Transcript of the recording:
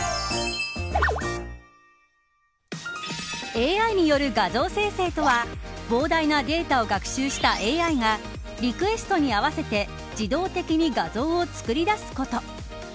ＡＩによる画像生成とは膨大なデータを学習したＡＩがリクエストに合わせて自動的に画像を作り出すこと。